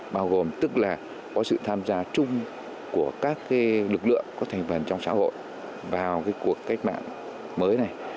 bao gồm tức là có sự tham gia chung của các lực lượng có thành phần trong xã hội vào cuộc cách mạng mới này